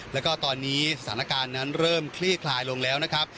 แล้วก็ตอนนี้สถานการณ์นั้นเริ่มคลี่คลายลงแล้วนะครับ